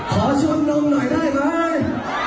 ขอชนน้องหน่อยได้มั้ย